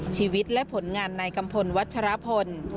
ชีวิตและผลงานในกัมพลวัชรพล